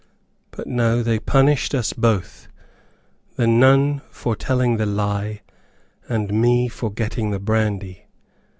But no; they punished us both; the nun for telling the lie, and me for getting the brandy.